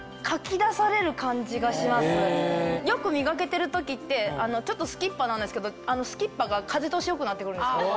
よく磨けてる時ってちょっとすきっ歯なんですけどすきっ歯が風通し良くなって来るんですよ。